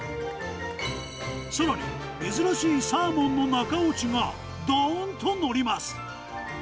さらに珍しいサーモンの中落ちがどーんと載ります。